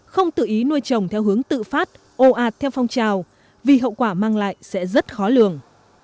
không tự ý nuôi chồng theo hướng tự phát ồ ạt theo phong trào vì hậu quả mang lại sẽ rất khó lường